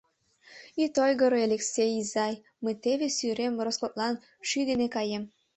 — Ит ойгыро, Элексей изай, мый теве сӱрем роскотлан шӱй дене каем.